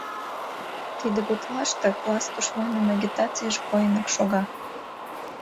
— Тиде гутлаште класс тушманын агитацийже койынак шога.